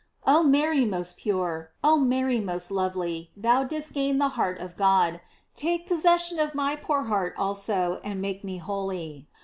Oh Mary, most pure; oh Mary, most lovely, thou didst gain the heart of God; take possession of my poor heart also, and make me holy.